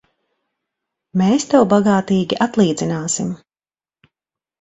Mēs tev bagātīgi atlīdzināsim!